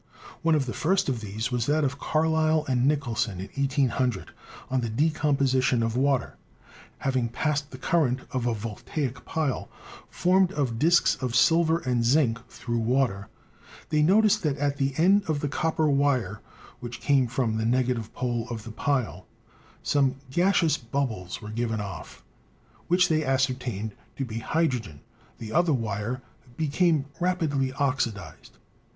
One of the first of these was that of Carlisle and Nicholson, in 1800, on the decomposition of water. Hav ing passed the current of a volatile pile, formed of disks of silver and zinc, through water, they noticed that at the end of the copper wire which came from the negative pole of the pile some gaseous bubbles were given off, which they ascertained to be hydrogen; the other wire became rapidly oxidized.